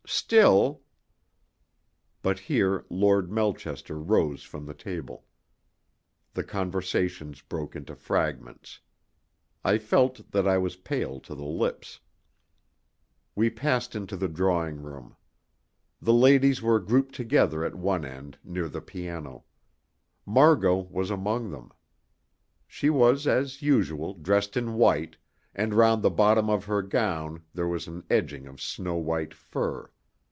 Still " But here Lord Melchester rose from the table. The conversations broke into fragments. I felt that I was pale to the lips. We passed into the drawing room. The ladies were grouped together at one end, near the piano. Margot was among them. She was, as usual, dressed in white, and round the bottom of her gown there was an edging of snow white fur.